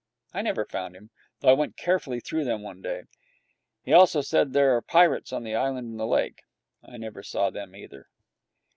I never found him, though I went carefully through them one day. He also said that there were pirates on the island in the lake. I never saw them either.